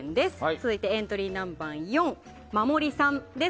続いてエントリーナンバー４ｍａｍｏｒｉさんです。